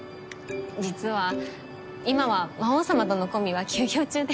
実は今は魔王様とのコンビは休業中で。